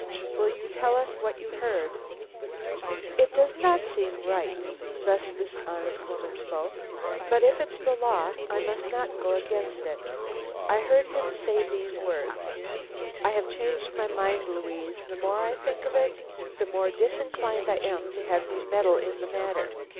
"Will you tell us what you heard?" "It does not seem right" (thus this honest woman spoke), "but if it's the law, I must not go against it. I heard him say these words: 'I have changed my mind, Louise. The more I think of it, the more disinclined I am to have you meddle in the matter.